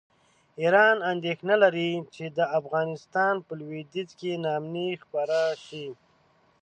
ایران اندېښنه لري چې د افغانستان په لویدیځ کې ناامني خپره شي.